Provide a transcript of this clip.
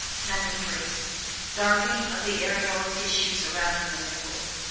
(3) DARKENING OF THE AREOLAR TISSUE SURROUNDING THE NIPPLE.